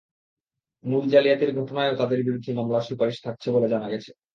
মূল জালিয়াতির ঘটনায়ও তাঁদের বিরুদ্ধে মামলার সুপারিশ থাকছে বলে জানা গেছে।